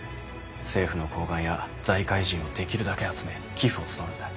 政府の高官や財界人をできるだけ集め寄付を募るんだ。